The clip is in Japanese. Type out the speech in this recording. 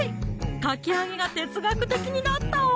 かき揚げが哲学的になったわ！